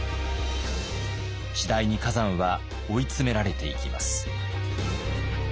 次第に崋山は追い詰められていきます。